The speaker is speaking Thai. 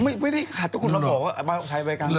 ไม่ใช่คัดเธอมาออกใช้บริการคน